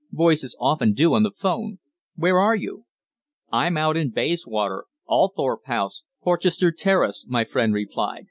"Voices often do on the 'phone. Where are you?" "I'm out in Bayswater Althorp House, Porchester Terrace," my friend replied.